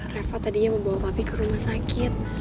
reva tadinya membawa pak pi ke rumah sakit